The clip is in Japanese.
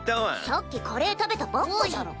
さっきカレー食べたばっかじゃろ。